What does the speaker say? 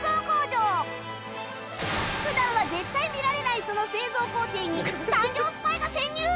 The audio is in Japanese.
普段は絶対見られないその製造工程に産業スパイが潜入！